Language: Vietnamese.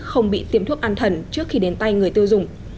không bị tiêm thuốc an thần trước khi đến tay người tiêu dùng